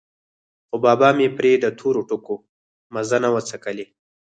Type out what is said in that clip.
خو بابا مې پرې د تورو ټکو مزه نه وڅکلې.